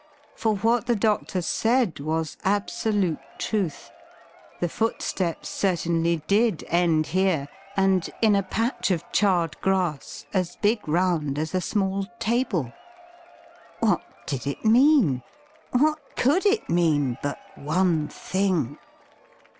For what the doctor said was absolute truth. The footsteps certainly did end here, and in a patch of charred grass as big round as a small table. What did it mean? What could it mean, but one thing?